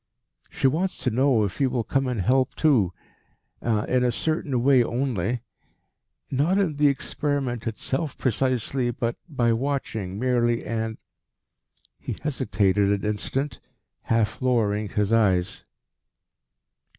"She wants to know if you will come and help too in a certain way only: not in the experiment itself precisely, but by watching merely and " He hesitated an instant, half lowering his eyes.